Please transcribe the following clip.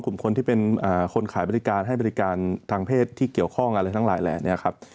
กลุ่มคนที่เป็นคนขายบริการให้บริการทางเพศที่เกี่ยวข้องอะไรทั้งหลายแหล่เนี่ยครับ